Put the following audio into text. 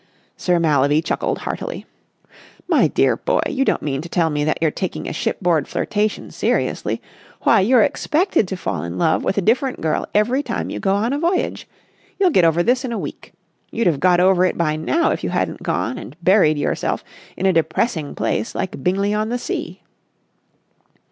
Sir Mallaby chuckled heartily. "My dear boy, you don't mean to tell me that you're taking a shipboard flirtation seriously? Why, you're expected to fall in love with a different girl every time you go on a voyage. You'll get over this in a week. You'd have got over it by now if you hadn't gone and buried yourself in a depressing place like Bingley on the Sea."